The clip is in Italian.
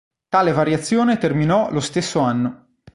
Tale variazione terminò lo stesso anno.